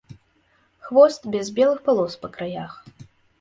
Хвост без белых палос па краях.